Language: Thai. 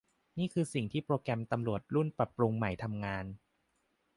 นี่คือสิ่งที่โปรแกรมตำรวจรุ่นปรับปรุงใหม่ทำงาน